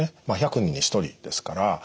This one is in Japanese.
まあ１００人に１人ですから。